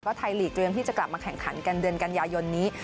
ไทยลีกเตรียมที่จะกลับมาแข่งขันกันเดือนกันยายนนี้